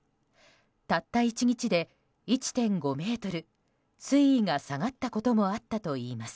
たった１日で、１．５ｍ水位が下がったこともあったといいます。